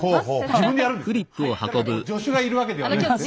誰かこう助手がいるわけではないんですね。